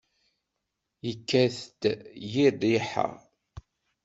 Yekkat-d yir rriḥa.